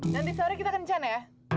nanti sore kita kencan ya